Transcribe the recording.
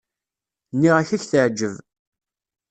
Nniɣ-ak ad k-teɛjeb.